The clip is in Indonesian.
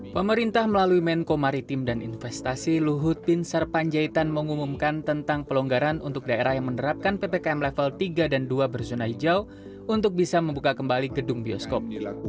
pemerintah melalui menko maritim dan investasi luhut bin sarpanjaitan mengumumkan tentang pelonggaran untuk daerah yang menerapkan ppkm level tiga dan dua berzona hijau untuk bisa membuka kembali gedung bioskop